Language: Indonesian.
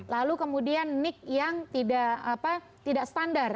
lalu kemudian nic yang tidak standar